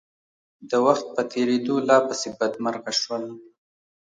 د وخت په تېرېدو لا پسې بدمرغه شول.